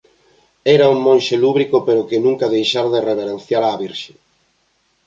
Era un monxe lúbrico, pero que nunca deixara de reverenciar á Virxe.